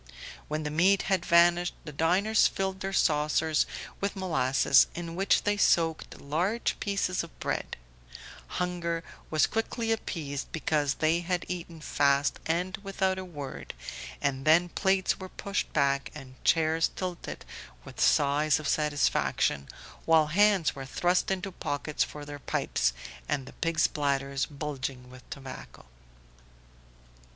When the meat had vanished the diners filled their saucers with molasses in which they soaked large pieces of bread; hunger was quickly appeased, because they had eaten fast and without a word, and then plates were pushed back and chairs tilted with sighs of satisfaction, while hands were thrust into pockets for their pipes, and the pigs' bladders bulging with tobacco.